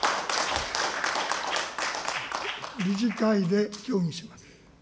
理事会で協議します。